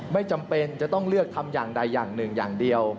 ไม่จำเป็นจะต้องเลือกทำอย่างใดอย่างหนึ่งอย่างเดียว